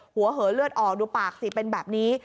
หัวเหอเลือดออกดูปากสิเป็นแบบนี้